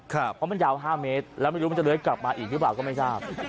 เพราะมันยาว๕เมตรแล้วไม่รู้มันจะเลื้อยกลับมาอีกหรือเปล่าก็ไม่ทราบ